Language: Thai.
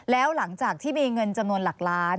แล้วหลังจากที่มีเงินจำนวนหลักล้าน